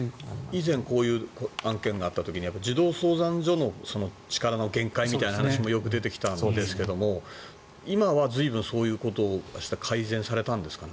以前、こういう案件があった時に児童相談所の限界みたいなものがよく出てきたんですが今は随分そういうことは改善されたんですか？